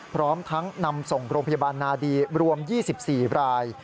พร้อมทั้งนำส่งโรงพยาบาลนาดีรวม๒๔ราย